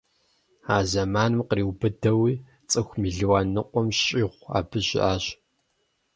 А зэманым къриубыдэуи цӀыху мелуан ныкъуэм щӀигъу абы щыӀащ.